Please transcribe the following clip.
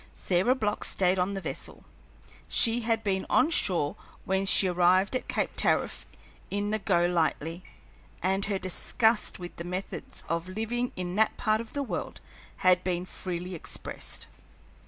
Sarah Block stayed on the vessel. She had been on shore when she had arrived at Cape Tariff in the Go Lightly, and her disgust with the methods of living in that part of the world had been freely expressed.